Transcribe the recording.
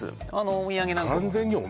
お土産なんかもああ